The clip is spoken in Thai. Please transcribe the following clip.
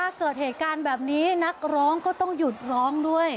เกิดเหตุการณ์แบบนี้นักร้องก็ต้องหยุดร้องด้วย